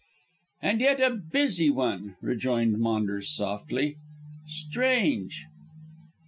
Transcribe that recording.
"And yet a busy one," rejoined Maunders softly; "strange."